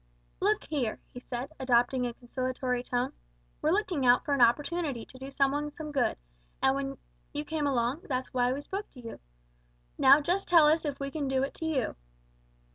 "Look here," he said, adopting a conciliatory tone; "we're looking out for an opportunity to do some one some good, and then you came along, that's why we spoke to you. Now just tell us if we can do it to you."